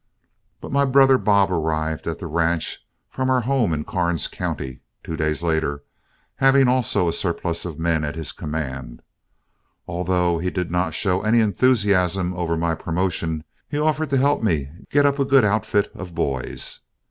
But my brother Bob arrived at the ranch, from our home in Karnes County, two days later, having also a surplus of men at his command. Although he did not show any enthusiasm over my promotion, he offered to help me get up a good outfit of boys.